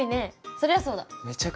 そりゃそうだ。